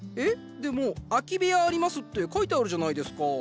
でも「アキベヤあります」って書いてあるじゃないですか。